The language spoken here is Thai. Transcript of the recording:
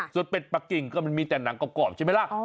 ส่วนเป็ดปะกิ่งก็มันมีแต่หนังกรอบใช่ไหมล่ะ